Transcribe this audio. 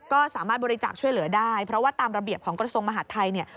ก็สามารถบริจาคช่วยเหลือได้แต่ว่าตามระเบียบของกรสงค์มหาทไทย